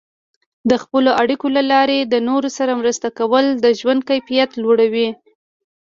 د خپلو اړیکو له لارې د نورو سره مرسته کول د ژوند کیفیت لوړوي.